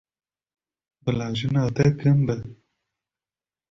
Bila jina te kin be.